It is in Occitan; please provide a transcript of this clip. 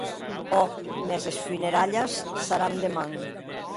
Òc, mès es funeralhas se haràn deman.